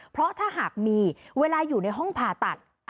เพราะถ้าหากมีเวลาอยู่ในห้องผ่าตัด